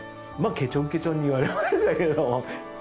けちょんけちょんに言われましたけれども。